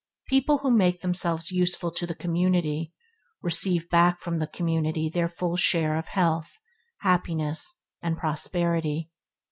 People who make themselves useful to the community, receive back from the community their full share of health, happiness, and prosperity.